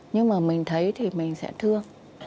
nhưng mà mình thấy thì mình sẽ thương